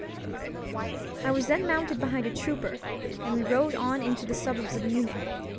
I was then mounted behind a trooper, and we rode on into the suburbs of Munich.